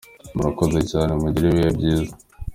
Murakoze cyane, mugire ibihe byiza.